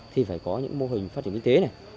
thì phải có những mô hình phát triển kinh tế này